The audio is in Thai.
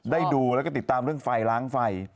ได้ดูแล้วก็ติดตามเรื่องไฟล้างไฟ